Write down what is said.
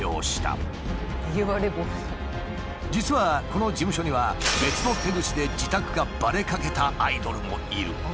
実はこの事務所には別の手口で自宅がバレかけたアイドルもいる。